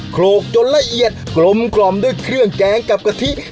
โครกจนละเอียดกลมกล่อมด้วยเครื่องแกงกับกะทิ